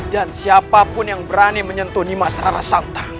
dan siapapun yang berani menyentuh nimas rarasanta